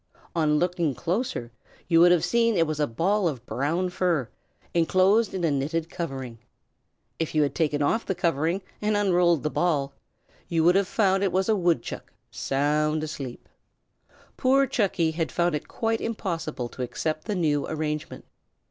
On looking closer, you would have seen that it was a ball of brown fur, enclosed in a knitted covering. If you had taken off the covering and unrolled the ball, you would have found that it was a woodchuck, sound asleep. Poor Chucky had found it quite impossible to accept the new arrangement.